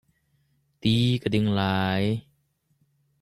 Ti ka ding lai.